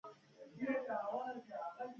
هغوی د حساس خوبونو د لیدلو لپاره ناست هم وو.